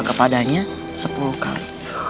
kepadanya sepuluh kali